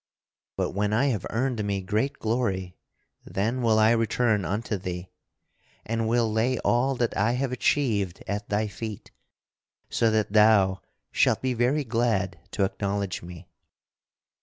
But when I have earned me great glory, then will I return unto thee and will lay all that I have achieved at thy feet, so that thou shalt be very glad to acknowledge me."